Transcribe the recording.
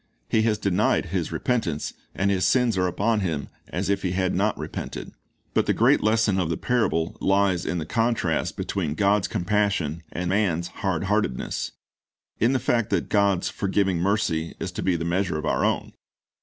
He has denied his repentance, and his sins are upon him as if he had not repented. But the great lesson of the parable lies in the contrast between God's compassion and man's hard heartedness; in the fact that God's forgiving mercy is to be the measure of our own.